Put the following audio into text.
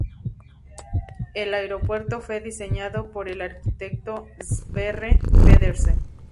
El aeropuerto fue diseñado por el arquitecto Sverre Pedersen.